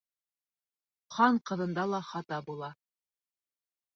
Хан ҡыҙында ла хата була.